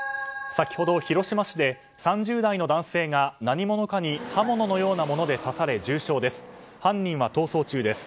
先ほど広島市で３０代の男性が何者かに刃物のようなもので刺され重傷です。